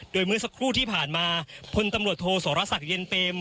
โดยเมื่อสักครู่ที่ผ่านมาพลตำรวจโทสรษักเย็นเต็ม